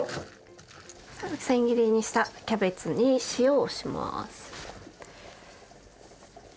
千切りにしたキャベツに塩をします。